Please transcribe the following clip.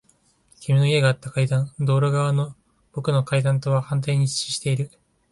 君の家があった階段。道路側の僕の階段とは反対に位置している。